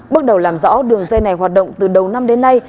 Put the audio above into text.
bước đầu làm rõ đường dây này hoạt động từ đầu năm đến nay